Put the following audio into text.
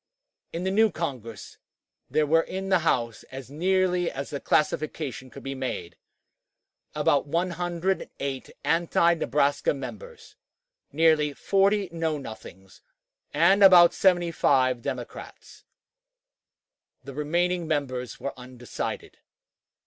In the new Congress there were in the House, as nearly as the classification could be made, about 108 anti Nebraska members, nearly 40 Know Nothings, and about 75 Democrats; the remaining members were undecided.